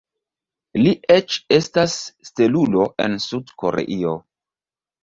Li eĉ estas stelulo en Sud-Koreio.